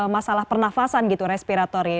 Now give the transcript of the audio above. masalah pernafasan respiratornya